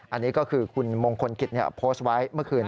อันนี้ก็คือคุณมงคลกิจโพสต์ไว้เมื่อคืน